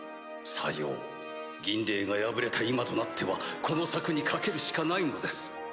さよう銀嶺が敗れた今となってはこの策に懸けるしかないのです。